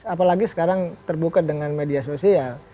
apalagi sekarang terbuka dengan media sosial